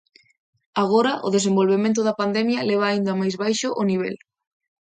Agora, o desenvolvemento da pandemia leva aínda máis baixo o nivel.